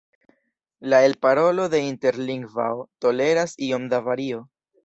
La elparolo de interlingvao toleras iom da vario.